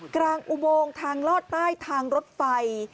อุโมงทางลอดใต้ทางรถไฟ